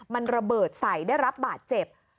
มันระเบิดใส่ได้รับบาดเจ็บ